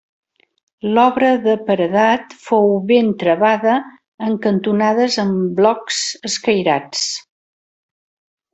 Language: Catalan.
L'obra de paredat fou ben travada en cantonades amb blocs escairats.